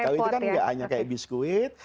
kalau itu kan nggak hanya kayak biskuit